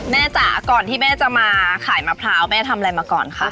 จ๋าก่อนที่แม่จะมาขายมะพร้าวแม่ทำอะไรมาก่อนคะ